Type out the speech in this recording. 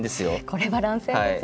これは乱戦ですよね。